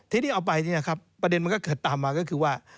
ทีนี้เอาไปเนี่ยครับประเด็นมันก็เกิดตามมาก็คือว่า